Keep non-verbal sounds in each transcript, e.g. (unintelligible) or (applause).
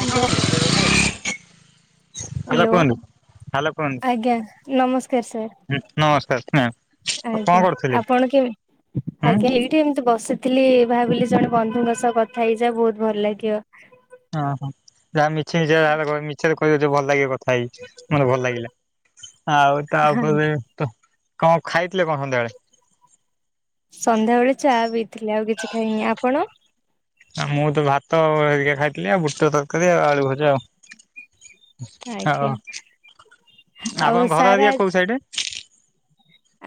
Hello. ଆଲ hello କୁହନ୍ତୁ। Hello ଆଜ୍ଞା ନମସ୍କାର ସାର୍। ହୁଁ, ନମସ୍କାର ହେଁ ଆଉ କଣ ଆଜ୍ଞା କରୁଥିଲେ? ଆପଣ କେମି ହୁଁ ଆଜ୍ଞା ଏଇଠି ଏମିତି ବସି ଥିଲି ଭାବିଲି ଜଣେ ବନ୍ଧୁଙ୍କ ସହ କଥା ହେଇଯା ବହୁତ ଭଲ ଲାଗିବ। ଅଁ, ହଁ ଯାହା ମିଛି ମିଛ ଯା କର ମିଛରେ କହି ହଉଚ ଭଲ ଲାଗିବ। ଥାଇ ମୋତେ ଭଲ ଲାଗିଲା। ଆଉ ହଁ ତାପରେ ତ କଣ ଖାଇଥିଲେ କଣ ସନ୍ଧ୍ୟାବେଳେ? ସନ୍ଧ୍ୟାବେେଳେ ଚା ପିଇ ଥିଲେ। ଆଉ କିଛି ଖାଇନି। ଆପଣ? ଆଉ ମୁଁ ତ ଭାତ ହେରିକ ଖାଇଥିଲି ଆଉ ବୁଟ ତରକାରୀ ଆଉ ଆଳୁ ଭଜା ଆଉ। ହୋ ଆଜ୍ଞା ଆପଣ ଆଉ ଘର ସାର୍ ହେରିକା କୋଉ ସାଇଡ?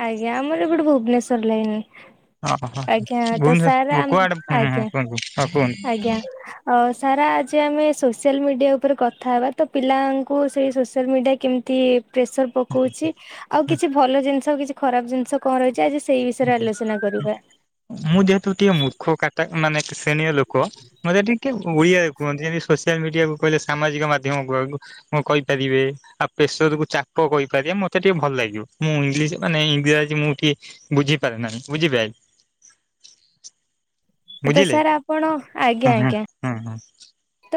ଆଜ୍ଞା ଆମର ଏପଟେ ଭୁବନେଶ୍ଵର ଲାଇନ୍। ଓହୋ ଆଜ୍ଞା ତ ସାର୍ ଭୁବନେଶ୍ୱର ଆମ୍ କୁଆଡେ ହୁଁ ହୁଁ ଆଜ୍ଞା, କୁହନ୍ତୁ ହଁ କୁହନ୍ତୁ। ଆଜ୍ଞା, ଅ, ସାର ଆଜି ଆମେ ସୋସିଆଲ୍ ମିଡ଼ିଆ ଉପରେ କଥା ହବା। ତ ପିଲାଙ୍କୁ ସେଇ ସୋସିଆଲ୍ ମିଡ଼ିଆ କେମିତି ପ୍ରେସର୍ ପକଉଛି। ଆଉ କିଛି ଭଲ ଜିନିଷ, ଆଉ କିଛି ଖରାପ ଜିନିଷ, କଣ ରହିଚି ଆଜି ସେଇ ବିଷୟରେ ଆଲୋଚନା କରିବା। ମୁଁ ଯେହେତୁ ଟିକେ ମୂର୍ଖ କାଟା ମାନେ ଶ୍ରେଣୀୟ ଲୋକ ମୋତେ ଟିକେ ଓଡିଆରେ କୁହନ୍ତି ଯେମିତି ସୋସିଆଲ ମିଡିଆକୁ କହିଲେ ସାମାଜିକ ମାଧ୍ୟମ କୁହନ୍ତୁ ହଁ କହିପାରିବେ ଆଉ ପେଶ ର କୁ ଚାପ କହିପାରିବେ ମତେ ଟିକେ ଭଲ ଲାଗିବ ମୁଁ ଇଂଲିଶ ମାନେ ଇଂରାଜୀ ମୁଁ ଟିକେ ବୁଝିପାରେ ନାହିଁ ବୁଝିପାଇଲେ? ତ ବୁଝିଲେ ସାର୍ ଆପଣ ହୁଁ ଆଜ୍ଞା ହୁଁ ଆଜ୍ଞା। ହୁଁ ହୁଁ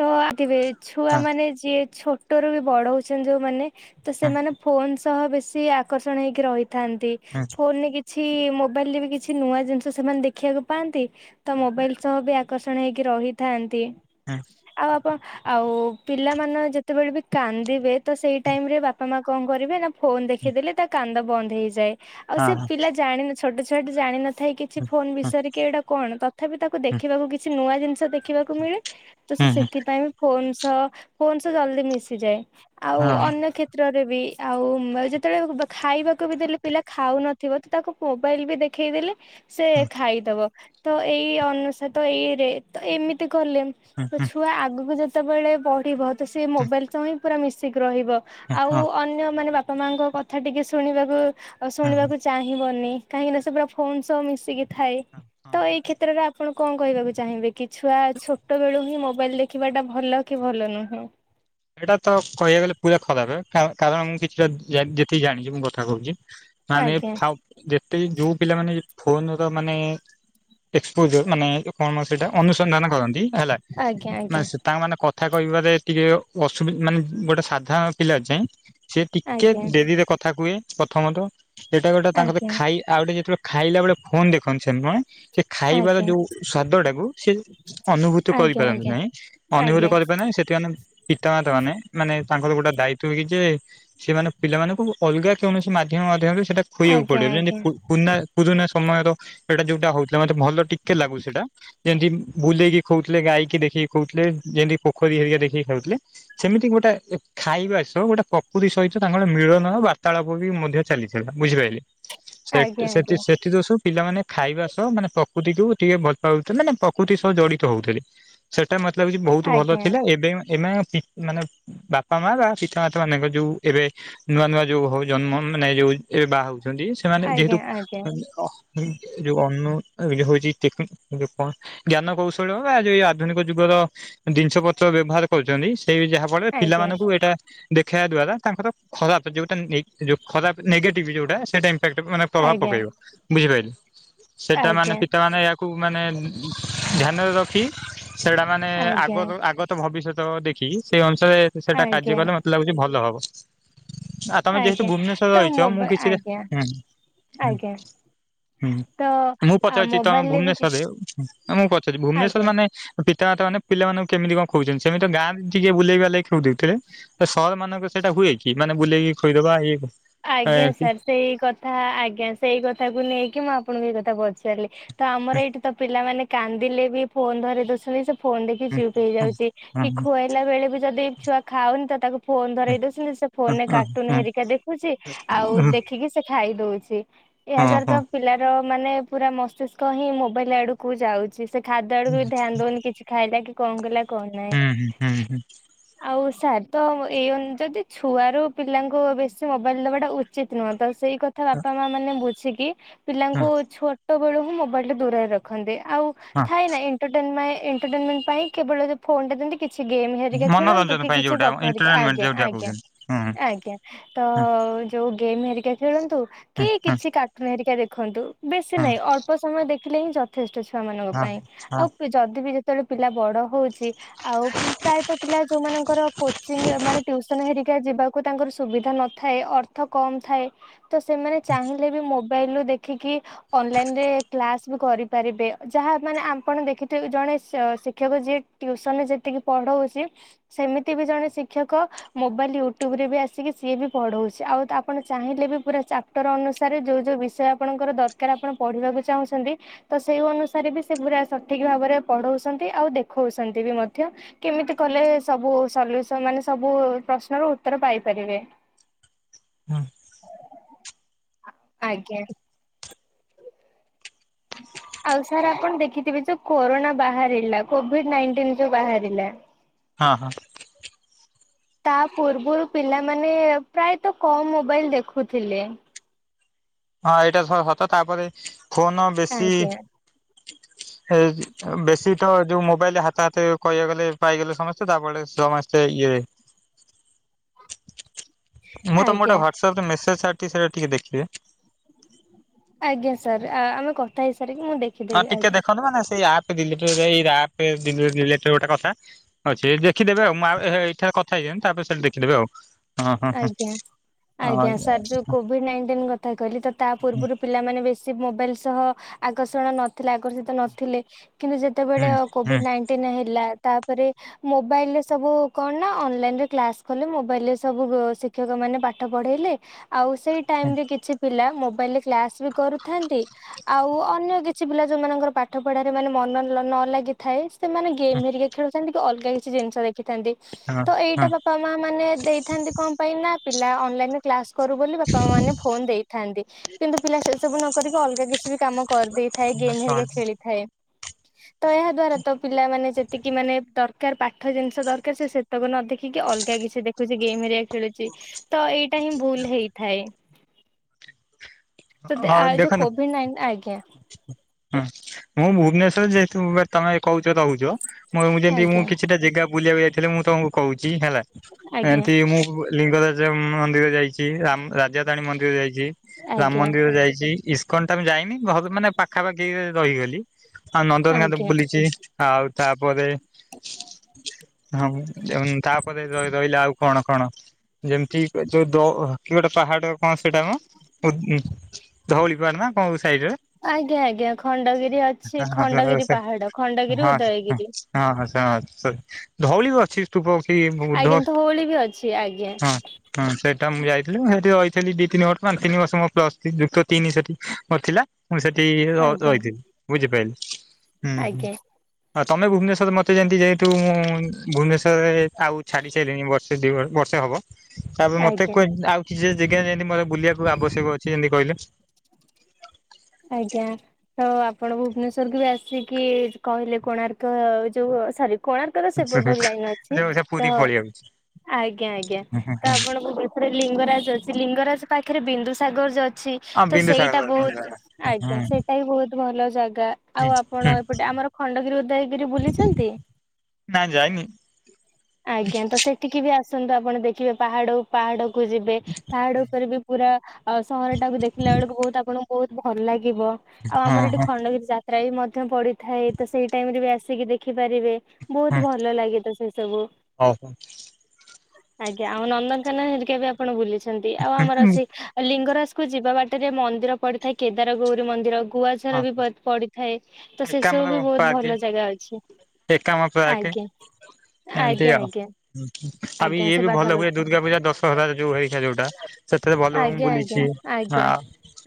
ଆ ଥିବେ ଛୁଆ ହଁ ମାନେ ଯିଏ ଛୋଟ ରୁ ବି ବଡ ହଉଛନ୍ତି ଯୋଉମାନେ ତ ସେମାନେ ଫୋନ ସହ ବେଶୀ ଆକର୍ଷଣ ହେଇକି ରହିଥାନ୍ତି ହଁ ହଁ ଫୋନ ରେ କିଛି କିଛି ମୋବାଇଲରେ ବି କିଛି ନୂଆ ଜିନିଷ ସେମାନେ ଦେଖିବାକୁ ପାଆନ୍ତି ତ ମୋବାଇଲ ସହ ବି ଆକର୍ଷଣ ହେଇକି ରହିଥାନ୍ତି। ଆଉ ଆପଣ ଆଉ ପିଲା ମାନ ଯେତେବେଳେ ବି କାନ୍ଦିବେ ତ ସେଇ ଟାଇମ ରେ ବାପା ମା କଣ କଣ କରିବେ ନା ଫୋନ ଦେଖିଦେଲେ ତା କାନ୍ଦ ବନ୍ଦ ହେଇଯାଏ ଆଉ ହଁ ହଁ ସେ ହଁ ପିଲା ଜାଣ ଛୋଟ ଛୁଆଟେ ଜାଣିନ ଥାଇ କିଛି ହୁଁ ଫୋନ ହୁଁ ବିଷୟରେ କି ଏଇଟା କଣ ତଥାପି ତାକୁ ଦେଖିବାକୁ କିଛି ନୂଆ ଜିନିଷ ଦେଖିବାକୁ ମିଳେ ତ ସେ ହୁଁ ହୁଁ ହଁ ହୁଁ ହୁଁ ହୁଁ ହୁଁ ସେଥିପାଇଁ ବି ଫୋନ୍ ସହ ଫୋନ ସହ ଜଲଦି ମିଶିଯାଏ ଆଉ ଅନ୍ୟ କ୍ଷେତ୍ର ରେ ବି ଉମ ଆଉ ଯେତେବେଳେ ଖାଇବାକୁ ବି ଦେଲେ ପିଲା ଖାଉନଥିବ ତ ତାକୁ ମୋବାଇଲ ବି ଦେଖ ଖେଇଦେଲେ ସେ ଖାଇଦବ ତ ଏଇ ଅନୁସାରେ ତ ଏଇରେ ତ ଏମିତି କଲେ ତ ଛୁଆ ଆଗକୁ ଯେତେବେଳେ ପଢିବ ତ ସେ ମୋବାଇଲ ତ ହିଁ ପୁରା ମିଶିକି ରହିବ ଆଉ ହଁ ଅନ୍ୟ ମାନେ ବାପା ମାଙ୍କ କଥା ଟିକେ ଶୁଣିବାକୁ ଆଉ ହଁ ହଁ ହଁ ଶୁଣିବାକୁ ଚାହିଁବନି କାହିଁକି ନା ସେ ପୁରା ଫୋନ ସହ ମିଶିକି ଥାଏ ତ ଏଇ କ୍ଷେତ୍ରରେ ଆପଣ କଣ କହିବାକୁ ଚାହିଁବେ କି ଛୁଆ ଛୋ ଛୋଟବେଳୁ ହିଁ ମୋବାଇଲ ଦେଖିବା ଟା ଭଲ କି ଭଲ ନୁହେଁ? ଏଇଟା ତ କହିବାକୁ ଗଲେ ପୁରା ଖରାପ କା କାରଣ ମୁଁ କିଛିଟା ଯେ ଯେତିକି ଜାଣିଛି ମୁଁ କଥା କହୁଚି ମାନେ ଆଜ୍ଞା ଫାଉ ଯେତେ ଯୋଉ ପିଲାମାନେ ଫୋନ ର ମାନେ ଏକ୍ସପୋଜର ମାନେ କଣ ସେଇଟା ଅନୁସନ୍ଧାନ କରନ୍ତି ହେଲା ଆଜ୍ଞା ଆଜ୍ଞା ମାନେ ସେ ତା ମାନେ କଥା କହିବାରେ ଟିକେ ଅସୁବି ମାନେ ଗୋଟେ ସାଧାରଣ ପିଲା ଯାଏଁ ସିଏ ଟିକେ ଆଜ୍ଞା ଡେରିରେ କଥା କୁହେ ପ୍ରଥମତଃ ଏଇଟା ଗୋଟେ ତାଙ୍କର ତ ଆଜ୍ଞା ଖାଇ ଆଉ ଗୋଟେ ଯେତେବେଳେ ଖାଇଲା ବେଳେ ଫୋନ ଦେଖନ୍ତି ସେମି ନୁହେଁ ସେ ଖାଇବାର ଯୋଉ ସ୍ଵାଦ ଟାକୁ ସେ ଅନୁଭୂତ କରିପାରନ୍ତି ଆଜ୍ଞା। ନାଇଁ ଅନୁଭୂତ ଆଜ୍ଞା କରିପାର ନାହିଁ ସେତି ମାନେ ପିତାମାତା ମାନେ ମା ମାନେ ତାଙ୍କର ଗୋଟେ ଦାୟିତଵ କି ଯେ ସେମାନେ ପିଲା ମାନନଙ୍କୁ ଅଲଗା କୌଣସି ମାଧ୍ୟମ ମାଧ୍ୟମ ରେ ସେଇଟା ଖୁଇବାକୁ ଆଜ୍ଞା ଆଜ୍ଞା ପଡିବ ଯେମିତି ପୁ କୁନା କୁରୁନା ସମୟର ସେଟା ଯୋଉଟା ହଉଥିଲା ମନେ ଭଲ ଟିକେ ଲାଗୁ ସେଇଟା ଯେମତି ବୁଲେଇକି ଖଉଥିଲେ ଗାଈକି ଦେଖିକି ଖଉଥିଲେ ଯେମିତି ପୋଖରୀ ହେରିକା ଦେଖିକି ଖାଉଥିଲେ ସେମିତି ଗୋଟେ ଖାଇବା ସହ ଗୋଟେ ପ୍ରକୃତି ସହିତ ତାଙ୍କର ମିଳନ ବାର୍ତ୍ତାଳାପ ବି ମଧ୍ୟ ଚାଲି ଟା ବୁଝିପାରିଲେ ଆଜ୍ଞା ଆଜ୍ଞା ଆଜ୍ଞା ସେଠି ସେଠି ତ ସବୁ ପିଲାମାନେ ଖାଇବା ସହ ମାନେ ପ୍ରକୃତିକୁ ଟିକେ ଭଲ ପାଉଥିଲେ ମାନେ ପ୍ରକୃତି ସହ ଜଡିତ ହଉଥିଲେ ସେ ତା ମତଲବ ହଉଚି ବହୁତ ଭଲ ଥିଲା ଆଜ୍ଞା ଏବେ ମା ଏମ ପି ମାନେ ବାପା ମା ବା ପିତା ମାତା ମାନଙ୍କ ଯୋଉ ଏବେ ନୂଆ ନୂଆ ଯୋଉ ହଉ ଜନ୍ମ ମାନେ ଯୋଉ ଉ ଏବେ ବାହାହଉଚନ୍ତି ସେମାନେ ଯେହେତୁ ଆଜ୍ଞା। ଅ ଯୋଉ ଅନୁ ଯଉ ହଉଛି ଟେକ ଯୋଉ କଣ ଜ୍ଞାନ କୌଶଳ ବା ଯୋଉ ଆଧୁନିକ ଯୁଗର ଜିନିଷ ପତ୍ର ବ୍ୟବହାର କରୁଛନ୍ତି ସେଇ ଯାହା ଫଳରେ ଆଜ୍ଞା ଆଜ୍ଞା ପିଲାମାନଙ୍କୁ ଏଇଟା ଦେଖାଇବା ଦ୍ଵାରା ତାଙ୍କର ଖରାପ ଯେଉଁଟା ନେଇ ଯେଉଁ ଖରାପ ନେଗେଟିଭ୍ ଯେଉଁଟା ସେଇଟା ମାନେ ପ୍ରଭାବ ଆଜ୍ଞା ପକେଇବ ବୁଝିପାରିଲ ଆଜ୍ଞା ସେଇଟା ମାନେ ଆଜ୍ଞା ପିତା ମାନେ ଏହାକୁ ମାନେ ଧ୍ୟାନରେ ରଖି ସେଟା ମାନେ ଆଜ୍ଞା। ଆଗ ଆଗତ ଭବିଷ୍ୟତ ଦେ ସେଇ ଅନୁସାରେ ସେଇଟା କାର୍ଯ୍ୟ ଆଜ୍ଞା କଲେ ମତେ ଲାଗୁଛି ଭଲ ହବ ଆଉ ତମେ ଯେହେତୁ ଆଜ୍ଞା ଭୁବନେଶ୍ଵର ତ ରହିଛ ମୁଁ ମୋବା କିଛି ଟା ଆଜ୍ଞା ହୁଁ ହୁଁ। ଆଜ୍ଞା ହୁଁ ତ ମୁଁ ଆ ପଚାରୁଚି ତମେ ମୋବାଇଲରେ ବି କିଛି ଭୁବନେଶ୍ଵରରେ ମୁଁ ପଚାରୁଚି ଭୁବନେଶ୍ଵର ଆଜ୍ଞା ମାନେ ପି ପିତା ମାତା ମାନେ ପିଲାମାନଙ୍କୁ କେମିତି କଣ କହୁଛନ୍ତି ସେମିତି ଗାଁରେ ଟିକେ ବୁଲେଇକି ଖୋଇ ଦୋଉଥିଲେ ତ ସହର ମାନଙ୍କ ସେଇଟା ହୁଏ କି ମାନେ ବୁଲେଇକି ଖଦବା ଇ ଆଜ୍ଞା ସାର୍ ସେଇ କଥା ଆଜ୍ଞା ସେଇ କଥା କ ନେଇକି ଆ ଆପଣଙ୍କୁ ଏ କଥା ପଚାରିଲି ତ ଆମର ଏଇଠି ତ ପିଲାମାନେେ କାନ୍ଦିଲେ ବି ଫୋନ ଧରେଇ ଦଉଚନ୍ତି ସ ଫୋନ ଦେଖି ଚୁପ୍ ହେଇଯାଉଛି। କି ଖୁଆଇଲା ବେଳେ ବି ଯଦି ଛୁଆ ଖାଉନି ତ ତାକୁ ଫୋନ ଧରଇ ଦଉଛନ୍ତି, ସେ ଫୋନରେ କାର୍ଟୁନ ହେରିକା ଦେଖୁଛି ଆଉ ଦେଖିକି ସେ ଖାଇ ଦଉଛି। ଏହା ଦ୍ଵାରା ତ ମନୋରଞ୍ଜନ ପିଲାର ମାନେ ପୁରା ମସ୍ତିଷ୍କ ହିଁ ମୋବାଇଲ ଆଡକୁ ଯାଉଛି। ସେ ଖାଦ୍ୟ ଆଡକୁ ବି ଧ୍ୟାନ ଦଉନି କିଛି ଖାଇଲା କି କଣ କଲା କଣ ନାହିଁ? ଆଉ ସାର୍ ତ ଏଇ (unintelligible) ଯଦି ଛୁଆରୁ ପିଲାଙ୍କୁ ବେଶୀ ମୋବାଇଲ ଦେବା ଟା ଉଚିତ୍ ନୁହେଁ ତ ସେଇ କଥା ବାପା ମା ମାନେ ବୁଝିକି ପିଲାଙ୍କୁ ଛୋଟ ବେଳୁ ହିଁ ମୋବାଇଲଠୁ ଦୂରରେ ରଖନ୍ତେ। ଆଉ ଥାଏ ନାଇଁ (unintelligible) ଏଣ୍ଟରଟେନମେ ଏଣ୍ଟରଟେନମେଣ୍ଟ ପାଇଁ କେବଳ ଫୋନ ଟା ଦିଅନ୍ତି? କିଛି ଗେମ୍ ହେରିକା ଖେଳନ୍ତୁ କି ପାଇଁ କିଛି ଯୋଉଟା ଗପ ହେରିକା। ଏଣ୍ଟରଟେନମେଣ୍ଟ ଆଜ୍ଞା ଯୋଉଟା ଆଜ୍ଞା କହୁଛନ୍ତି। ହୁଁ ଆଜ୍ଞା। ଆ ହୁଁ ଯୋଉ ଗେମ୍ ହେରିକା ଖେଳନ୍ତୁ କି ହୁଁ ହୁଁ କିଛି କାଟୁନ ହେରିକା ଦେଖନ୍ତୁ? ବେଶୀ ହଁ ନାହିଁ ଅଳ୍ପ ସମୟ ଦେଖିଲେ ହିଁ ଯଥେଷ୍ଟ ଛୁଆ ମାନଙ୍କ ହଁ ପାଇଁ। ହଁ ଆଉ ଯଦି ବି ଯେତେବେଳେ ପିଲା ବଡ ହଉଛି ଆଉ ପ୍ରାୟତଃ ପିଲା ଯୋଉମାନଙ୍କର କୋଚିଂ ମାନେ ଟ୍ୟୁସନ ହେରିକା ଯିବାକୁ ତାଙ୍କର ସୁବିଧା ନଥାଏ। ଅର୍ଥ କମ ଥାଏ। ତ ସେମାନେ ଚାହିଁଲେ ବି ମୋ ମୋବାଇଲ ରୁ ଦେଖିକି ଅନଲାଇନରେ କ୍ଲାସ ବି କରିପାରିବେ। ଯାହା ମାନେ ଆପଣ ଦେଖିେଥିବେ ଜଣେ ସ ଶିକ୍ଷକ ଯିଏ ଟିଉସନରେ ଯେତିକି ପଢଉଛି? ସେମିତି ବି ଜଣେ ଶିକ୍ଷକ ମୋ (unintelligible) ୟୁଟୁବରେ ବି ଆସିକି ସିଏ ବି ପଢ଼ଉଛି। ଆଉ ତ ଆପଣ ଚାହିଁଲେ ବି ପୁରା ଚାପ୍ଟର ଅନୁସାରେ ଯୋଉ ଯୋଉ ବିଷୟ ଆପଣଙ୍କର ଦରକାର ଆପଣ ପଢିବାକୁ ଚାହୁଁଛନ୍ତି ତ ସେଇ ଅନୁସାରେ ବି ସେ ପୁରା ସଠିକ ଭାବରେ ପଢଉଛନ୍ତି ଆଉ ଦେଖଉଛନ୍ତି। (unintelligible) ମଧ୍ୟ କେମିତି କଲେ ସବୁ ସଲ୍ୟୁସନ ମାନେ ସବୁ ପ୍ରଶ୍ନର ଉତ୍ତର ପାଇପାରିବେ। ହଁ। ଆଜ୍ଞା। ହୁଁ ଆଉ ସାର୍ ଆପଣ ଦେଖିଥିବେ ଯୋଉ କରୋନା ବାହାରିଲା? କୋଭିଡ ନାଇଣ୍ଟିନ୍ ଯୋଉ ବାହାରିଲା? ହଁ ହଁ। ତା ପୂର୍ବରୁ ପିଲାମାନେ ପ୍ରାୟତଃ କମ୍ ମୋବାଇଲ ଦେଖୁଥିଲେ। ହଁ ଏଇଟା (unintelligible) ସତ ତାପରେ ଫୋନ ବେଶୀ ଆଜ୍ଞା ଏ ବେଶୀ ତ ଯୋଉ ମୋବାଇଲ ହାତ ହାତ କହିବାକୁ ଗଲେ ପାଇଗଲେ ସମସ୍ତେ। ତାପରେ ସମସ୍ତେ ଇଏ ମୁଁ ତମ (unintelligible) ଗୋଟେ ଆଜ୍ଞା ହ୍ୱାଟ୍ସଆପ ରେ ମେସେଜ୍ ଛାଡିଛି ସେଇଟା ଟିକେ ଦେଖିବେ। ଆଜ୍ଞା ସାର୍ ଆମେ କଥା ହେଇ ହଁ ଟିକେ ଦେଖନ୍ତୁ ମାନେ ସେଇ ଆପ୍ (unintelligible) ଆପ୍ ଡି ରିଲେଟରେ ଗୋଟେ କଥା ଅଛି। ଦେଖିଦେବେ ଆଉ (unintelligible) ଏଠାରେ କଥା ହେଇଛି। (unintelligible) ତାପରେ ସେଠି ଦେଖିଦେବେ ଆଉ ହଁ ହଁ ହଁ ଆଜ୍ଞା ଆଜ୍ଞା ସାର୍ ଯୋଉ କୋଭିଡ ନାଇଣ୍ଟିନ କଥା କହିଲି ତ ତା ପୂର୍ବରୁ ପିଲାମାନେ ବେଶୀ ସେ ମୋବାଇଲ ସହ ଆକର୍ଷଣ ନଥିଲେ ଆକର୍ଷିତ ନଥିଲେ? କିନ୍ତୁ ଯେତେବେଳେ ହଁ କୋଭିଡ ନାଇଣ୍ଟିନ ହେଲା? ତାପରେ ମୋବାଇଲରେ ସବୁ କଣ ନା? ଅନଲାଇନ ରେ କ୍ଲାସ କଲେ ମୋବାଇଲରେ ସବୁ ଶିକ୍ଷକମାନେ ପାଠ ପଢ଼ାଇଲେ। ଆଉ ସେଇ ଟାଇମରେ କିଛି ପିଲା ମୋବ ବାଇଲରେ କ୍ଲାସ୍ ବି କରୁଥାନ୍ତି। ଆଉ ଅନ୍ୟ କିଛି ପିଲା ଯୋଉମାନଙ୍କର ପାଠ ପଢାରେ ମାନେ ମନ ନ ଲା ଲାଗିଥାଏ? ସେମାନେ ଗେମ୍ ହେରିକି ଖେଳୁଥାନ୍ତି କି ଅଲଗା କିଛି ଜିନିଷ ଦେଖିଥାନ୍ତି। ହଁ ତ ଏଇଟା ବାପା ମା ମାନେ ଦେଇ କଣ ପାଇଁ ନାଁ ପିଲା ଅନଲାଇନରେ କ୍ଲାସ କରୁ ବୋଲି ବାପା ମା ମାନେ ଫୋନ ଦେଇଥାନ୍ତି। କିନ୍ତୁ, ପିଲା ସେ ସବୁ ନ କରିକି ଅଲଗା କିଛି ବି କାମ କରିଦେଇଥାଏ। ଗେମ୍ ହଁ ହେରିକା ଖେଳି ଥାଏ। ତ ଏହା ଦ୍ଵାରା ତ ପିଲାମାନେ ଯେତିକି ମାନେ ଦର କାର ପାଠ ଜିନିଷ ଦରକାର ସେ ସେତକ ନ ଦେଖିକି ଅଲଗା କିଛି ଦେଖୁଛି ଗେମ୍ ହେରିକା ଖେଳୁଛି ତ ଏଇଟା ହିଁ ଭୁଲ ହେଇଥାଏ। ତ ହଁ ଆ ଯୋଉ ଦେଖନ୍ତୁ (inaudible) କୋଭିଡ ନାଇ ଆଜ୍ଞା। ହୁଁ ମୁଁ ଭୁବନେଶ୍ଵରରେ ଯେହେତୁ ତମେ କହୁଛ ରହୁଛ ମୁ ଯେମତି ମୁଁ ଆଜ୍ଞା କିଛିଟା ଜେଗା ବୁଲିବାକୁ ଯାଇଥିଲେ ମୁଁ ତମକୁ କହୁଛି ହେଲା ଆଜ୍ଞା ଏମିତି ମୁଁ ଉ ଲିଙ୍ଗରାଜ ଯଉ ମନ୍ଦିର ଯାଇଛି ରାମ ରାଜାରଣୀ ମନ୍ଦିର ଯାଇଛି ରାମ ଆଜ୍ଞା ମନ୍ଦିର ଯାଇଛି ଇସ କନ ତ ମୁଁ ଯାଇନି ଘରୁ ମାନେ ପାଖାପାଖି ରହିଗଲି। ଆଉ ନନ୍ଦନକାନନ ଆଜ୍ଞା। ବୁଲିଛି ଆଉ ତାପରେ। ହଁ ଉଁ ତାପରେ ର-ରହିଲା ଆଉ କଣ କଣ? ଯେମିତି ଏ ଯୋଉ ଦ ଅ କି ଗୋଟେ ପାହାଡ କଣ ସେଇଟା କଣ? ଉଦ ଉଁ ଧଉଳି ପାହାଡ ନା କଣ ସାଇଡରେ? ଆଜ୍ଞା ଆଜ୍ଞା ଖଣ୍ଡଗିରି ଅଛି ଖଣ୍ଡଗିରି ହଁ ପାହାଡ ଖଣ୍ଡଗିରି ହଁ ଉଦୟଗିରି। ହଁ ସରି ଧଉଳି ବି ଅଛି। ସ୍ତୁପ ଅଛି ବୁ-ବୁଦ୍ଧ ଆଜ୍ଞା ସ୍ତୁ ଧଉଳି ବି ଅଛି ଆଜ୍ଞା ହଁ ହଁ ସେ ସେଟା ମୁଁ ଯାଇଥିଲି ସେଇଠି ରହିଥିଲି ଦି ତିନି ବର୍ଷ ପାଞ୍ଚ ତିନି ବର୍ଷ ମୋ ପ୍ଲସ ଥ୍ରି ଯୁକ୍ତ ତିନି ସେଠି ମୋର ଥିଲା। ମୁଁ ସେଠି ଆଜ୍ଞା ର-ରହିଥିଲି ବୁଝିପାଇଲେ ହୁଁ ହୁଁ। ଆଜ୍ଞା ହଁ ତମେ ଭୁବନେଶ୍ୱର ମୋତେ ଯେମିତି ଯେହେତୁ ମୁଁ ଉଁ ଭୁବନେଶ୍ୱରରେ ଆଉ ଛାଡ଼ି ସାଇଲିଣି ବର୍ଷେ ଦୁଇ ବ ବର୍ଷେ ହବ। ତାପରେ ମତେ ଆଜ୍ଞା କୁ ଆଉ କିଛି ଟା ଜାଗା ଯେମିତି ମୋ ବୁଲିବାକୁ ଆବଶ୍ଯ ସବୁ ଅଛି ଯେମିତି କହିଲେ। ଆଜ୍ଞା ତ ଆପଣ ଭୁବନେଶ୍ଵରକୁ ବି ଆସିକି କହିଲେ କୋଣାର୍କ ଅ ଯୋଉ ସରି। କୋଣାର୍କ ତ ସେପଟ ଲାଇନ ଅଛି ଯୋଉ ପୁରୀ ତ। ପଳେଇ ଆଉଛି ଆଜ୍ଞା ଆଜ୍ଞା ତ ଆପଣଙ୍କୁ କେତେ ଟା ଲିଙ୍ଗରାଜ ଅଛି ଲିଙ୍ଗରାଜ ପାଖରେ ବିନ୍ଦୁ ସାଗର ଯୋଉ ଅଛି ହଁ ତ ସେଇଟା ବିନ୍ଦୁସାଗର ହୁଁ ବହୁତ। ହୁଁ ଆଜ୍ଞା ସେଇଟା ବି ବହୁତ ଭଲ ଜା କା ଆଉ ଆପଣ ହୁଁ ଏପଟେ ଆମର ଖଣ୍ଡଗିରି ଉଦୟଗିରି ବୁଲିଛନ୍ତି? ନା ଯାଇନି ଆଜ୍ଞା ତ ସେଠିକି ବି ଆସ ଆସନ୍ତୁ ଆପଣ ଦେଖିବେ ପାହାଡ ପାହାଡକୁୁ ଯିବେ ପାହାଡ ଉପରେ ବି ପୁରା ଆଉ ସହରଟାକୁ ଦେଖିଲା ବେଳକୁ ବହୁତ ଆପଣଙ୍କୁ ବହୁତ ଭଲ ଲାଗିବ ଆଉ ହଁ ଆମର ଏଠି ହଁ ଖଣ୍ଡଗିରି ଯା ଯାତ୍ରା ମଧ୍ୟ ପଡିଥାଏ ତ ସେଇ ଟାଇମରେ ବି ଆସିକି ଦେଖିପାରିବେ। ବହୁତ ହଁ ଭଲ ଲାଗେ ତ ସେ ସବୁ। ହଉ ହଉ। ଆଜ୍ଞା ଆଉ ନନ୍ଦନକାନନ ହେରିକା ବି ଆପଣ ବୁଲିଛନ୍ତି ଆଉ ଆମର ଅଛି ଏ ଲିଙ୍ଗରାଜ କୁ ଯିବା ବାଟରେ ମନ୍ଦିର ପଡିଥାଏ କେଦାର ଗୌରୀ ମନ୍ଦିର। ହଁ ଗୁଆଝର ବି ପ-ପଡିଥାଏ ତ ସେ ସବୁ ଏକାମ୍ର ବି ବହୁତ ପାର୍କ ଭଲ ଜାଗା ଅଛି। ଏକାମ୍ର ପାର୍କେ। ଆଜ୍ଞା ଆଜ୍ଞା ଆଜ୍ଞା। ହୁଁ ହୁଁ ଆଉ ବି ଆଜ୍ଞା ଇଏ ସେ ବି ଭଲ ହୁଏ ପାଖାପାଖି ଦୁର୍ଗା ପୂଜା ଦଶହରା ଯ-ଯୋଉ ହେରିକା ଯୋଉଟା ସେଥିରେ ଭଲ ହୁଏ ମୁଁ ଆଜ୍ଞା ଆଜ୍ଞା ବୁଲିଛି। ହଁ ଆଜ୍ଞା। ଆଉ।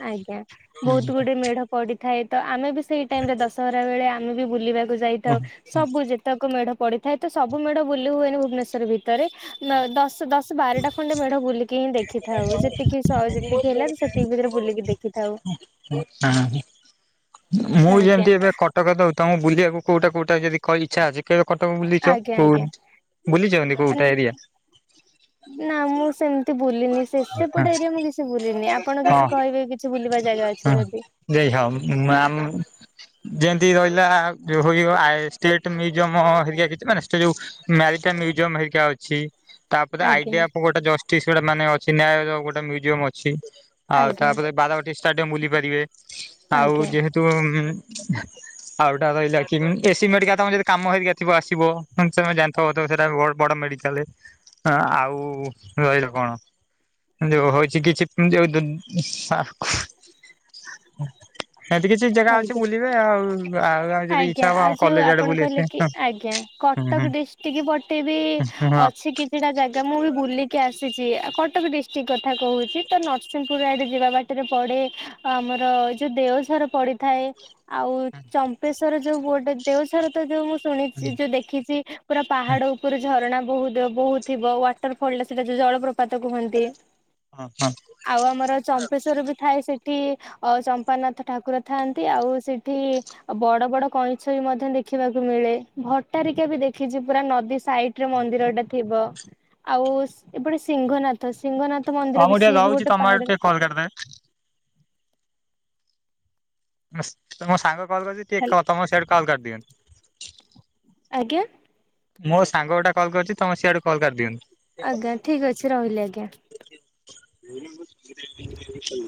ଆଜ୍ଞା ବହୁତ ଗୁଡେ ମେଢ ପଡିଥାଏ ତ ଆମେ ବି ସେଇ ଟାଇମରେ ଦଶହରା ବେଳେ ଆମେ ବି ବୁଲିବାକୁ ଯାଇଥାଉ ସବୁ ଯେତେକ ମେଢ ପଡିଥାଏ ତ ସବୁ ମେଢ଼ ହୁଏନି ଭୁବନେଶ୍ୱର ଭି ତରେ ଅଁ ଦଶ ଦଶ ବାରଟା ଖଣ୍ଡେ ମେଢ ବୁଲିକି ହିଁ ଦେଖିଥାଉ ଯେତିକି ସ ଯେତିକି ହେଲା ସେ ସେତିକି ଭିତରେ ବୁଲିକି ଦେଖିଥାଉ। ହୁଁ ହୁଁ ଆଁ ହୁଁ ମୁଁ ଆଜ୍ଞା ଯେମିତି ଏବେ କଟକ ଯଉ ତମ ବୁଲିବାକୁ। କୋଉଟା କୋଉଟା ଯଦି କହି ଇଚ୍ଛା ଅଛି କେବେ କଟକ ବୁଲିଛ ଆଜ୍ଞା କୋଉ ଆଜ୍ଞା। ବୁଲିଛନ୍ତି କୋଉଟା ଏରିଆ? (inaudible) ନା ମୁଁ ସେମିତି ବୁଲିନି ସେ ସେପଟ ଏରିଆ ମୁଁ କିଛି ବୁଲିିନି ଆପଣ ହଁ କିଛି କହିବେ କିଛି ବୁଲିବା ଯା ଯାଗା ଅଛି ଯଦି। ଏଇ ହ ଉଁ ଆମ ଯେମିତି ରହିଲା ଆଉ ଯୋଉ ହୋଇ ଆଇ ଷ୍ଟେଟ ମ୍ୟୁଜିୟମ ହେରିକା କିଛି ମାନେ ଷ୍ଟେ ଯଉ ମ୍ୟା ତା ମ୍ୟୁଜିୟମ ହେରିକା ଅ ଛି ତାପରେ ଆଜ୍ଞା ଆଇଡିଆ ଆପଣ ଗୋଟେ ଜଷ୍ଟିସ୍ ଗୋଟେ ମାନେ ଅଛି ନ୍ୟାୟ ଦବାକୁ ଗୋଟେ ମ୍ୟୁଜିୟମ ଅଛି। ଆଉ ଆଜ୍ଞା ତାପରେ ବାରବାଟୀ ଷ୍ଟାଡିୟମ ବୁଲି ପାରିବେ ଆଉ ଆଜ୍ଞା ଯେହେତୁ ଉଁ। ହ। ଆଉ ଏଟା ରହିଲା କିମ ଏ ସି ବି ମେଡିକାଲ ତମେ ଯଦି କାମ ହେରିକା ଥିବ ଆସିବ ଫଙ୍କସନ ରେ ଯାନ୍ତି ଫୋଟୋ ଉଠେଇଲା ବ-ବଡ଼ ମେଡିକା ଆଉ ରହିଲା କଣ? ଯଉ ହଉଚି କିଛି ଯଉ ଏମତି କିଛି ଜାଗା ଆଜ୍ଞା। ଅଛି ବୁଲିବେ ଆଉ ଆଉ ଯଦି ଇଚ୍ଛା ଆଜ୍ଞା ହବ ଆମ ଆଉ ଯୋଉ କଲେଜ ଆଡେ ଆପଣ ବୁଲି କହିଲେ ଆସିବେ। କି ଆଜ୍ଞା ହୁଁ ହୁଁ। କଟକ ଡିଷ୍ଟ୍ରିକ ପଟେଇବି ହଁ ହଁ ଅଛି କିଛିଟା ଜାଗା ମୁଁ ବି ବୁଲିକି ଆସିି ଆସିଚି କଟକ ଡିଷ୍ଟ୍ରିକ୍ଟ କଥା କହୁଛି ତ ନରସିଂହପୁର ଆଡେ ଯିବା ବାଟରେ ପଡ଼େ ଆମର ଯୋଉ ଦେଓଝର ପଡିଥାଏ ଆଉ ଚମ୍ପେଶ୍ଵର ଯୋଉ ଗୋଟେ ଦେଓଝର ତ ଯୋଉ ମୁ ଶୁଣିଛି ଯୋଉ ଦେଖିଛି ପୁରା ପାହାଡ ଉପରୁ ଝରଣା ବହୁ ବହୁତ ଥିବ ୱାଟରଫଲଟା ସେଟା ଯଉ ଜଳପ୍ର ପାତ କୁହନ୍ତି ହଁ ହଁ ଆଉ ଆମର ଚମ୍ପେଶ୍ଵର ବି ଥାଏ ସେ ସେଠି ଅ ଚମ୍ପାରାନାଥ ଠାକୁର ଥାଆନ୍ତି ଆଉ ସେଠି ବଡ ବଡ କଇଁଛ ବି ମଧ୍ୟ ଦେଖିବାକୁ ମିଳେ ଭଟାରିକା ବି ଦେଖିଛି ପୁରା ନଦୀ ସାଇଟରେ ମନ୍ଦିର ଟା ଥିବ ଆଉ ଏପଟେ ସିଂଘନାଥ। ସିଂଘନାଥ ହଁ ମନ୍ଦିର ମୁଁ ବି ଟିକେ ସିଏ ବି ରହୁଛି ଗୋଟେ ତମ ଆଡୁ ପାହାଡରେ ଟିକେ କଲ୍ କରିଦେବେ। ତ ମୋ ସାଙ୍ଗ କଲ୍ କରିଛି ଟିକେ ଥାଏ। କ ତମ ସିଆଡୁ କଲ୍ କାଟିଦିଅନ୍ତୁ। ଆଜ୍ଞା। ମୋ ସାଙ୍ଗ ଗୋଟା କଲ୍ କରିୁଛି ତମ ସିଆଡୁ କଲ କାଟିଦିଅନ୍ତୁ। ଆଜ୍ଞା ଠିକ ଅଛି ରହିଲି ଆଜ୍ଞା। ହ (unintelligible)